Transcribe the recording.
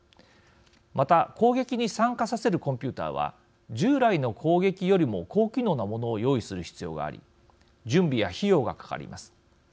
また、攻撃に参加させるコンピューターは従来の攻撃よりも高機能なものを用意する必要があり準備や費用がかかります。